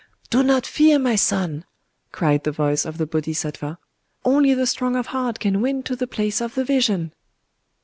"Do not fear, my son!" cried the voice of the Bodhisattva;—"only the strong of heart can win to the place of the Vision!"